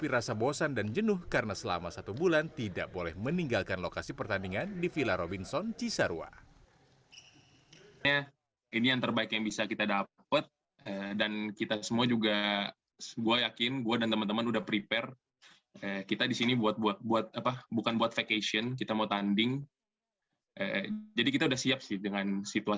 tapi rasa bosan dan jenuh karena selama satu bulan tidak boleh meninggalkan lokasi pertandingan di villa robinson cisarua